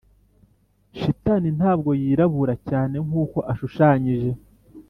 shitani ntabwo yirabura cyane nkuko ashushanyije.